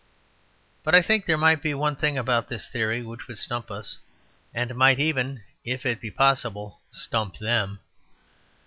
But I think there might be one thing about this theory which would stump us, and might even, if it be possible, stump them.